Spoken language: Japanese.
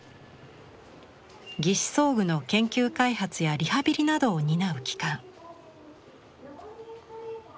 義肢装具の研究開発やリハビリなどを担う機関。